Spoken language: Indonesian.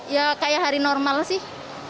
ya kayak hari normal sih